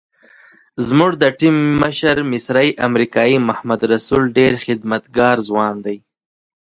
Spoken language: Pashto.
زموږ د ټیم مشر مصری امریکایي محمد رسول ډېر خدمتګار ځوان دی.